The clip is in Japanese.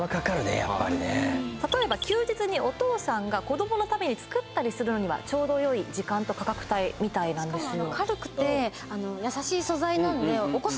やっぱりね例えば休日にお父さんが子供のために作ったりするのにはちょうどよい時間と価格帯みたいなんですよ